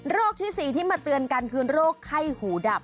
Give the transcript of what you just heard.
ที่๔ที่มาเตือนกันคือโรคไข้หูดับ